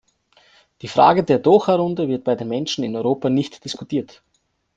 Die Frage der Doha-Runde wird bei den Menschen in Europa nicht diskutiert.